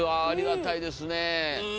ありがたいですねえ。